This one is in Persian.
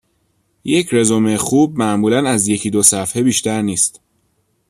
یک رزومه خوب معمولا از یکی دو صفحه بیشتر نیست.